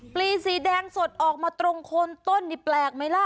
ลีสีแดงสดออกมาตรงโคนต้นนี่แปลกไหมล่ะ